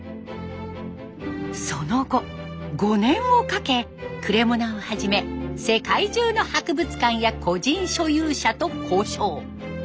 その後５年をかけクレモナをはじめ世界中の博物館や個人所有者と交渉。